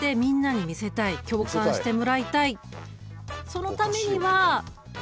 そのためには？